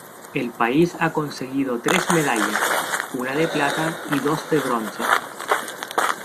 El país ha conseguido tres medallas, una de plata y dos de bronce.